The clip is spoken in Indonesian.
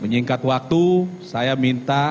menyingkat waktu saya minta